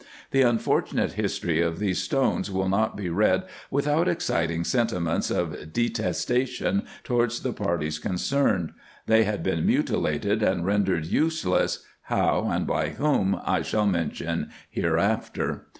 The unfortunate history of these stones will not be read without exciting sentiments of de testation towards the parties concerned : they had been mutilated, 126 RESEARCHES AND OPERATIONS and rendered useless, how, and by whom, I shall mention here after.